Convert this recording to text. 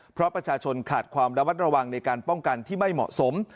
เพราะประชาชนขาดความระมัดระวังในการป้องกันที่ไม่เหมาะสม